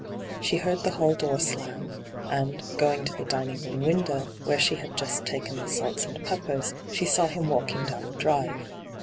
She heard the hall door slam, and, going to the dining room window, where she had just taken the salts and peppers, she saw him walking down the drive.